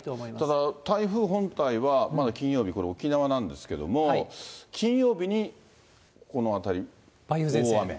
ただ、台風本体は、まだ金曜日、これ、沖縄なんですけども、金曜日にこの辺り、大雨。